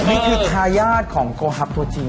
นี่คือทายาทของโกฮับตัวจริง